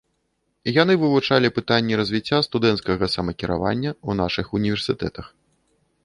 Яны вывучалі пытанні развіцця студэнцкага самакіравання ў нашых універсітэтах.